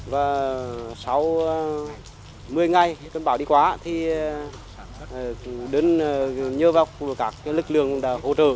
và sau một mươi ngày cơn bão đi quá thì nhớ vào các lực lượng đã hỗ trợ